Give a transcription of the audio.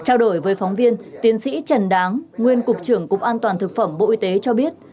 trao đổi với phóng viên tiến sĩ trần đáng nguyên cục trưởng cục an toàn thực phẩm bộ y tế cho biết